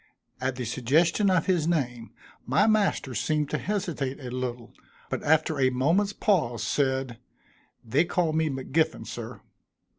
At the suggestion of his name, my master seemed to hesitate a little, but after a moment's pause, said, "They call me M'Giffin, sir."